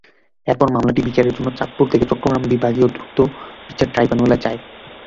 এরপর মামলাটি বিচারের জন্য চাঁদপুর থেকে চট্টগ্রাম বিভাগীয় দ্রুত বিচার ট্রাইব্যুনালে যায়।